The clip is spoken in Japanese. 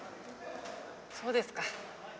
そうですか。